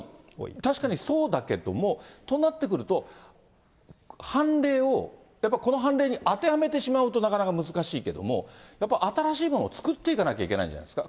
確かにそうだけども、となってくると、判例をやっぱりこの判例に当てはめてしまうとなかなか難しいけれども、やっぱり新しいものを作っていかなきゃいけないんじゃないですか。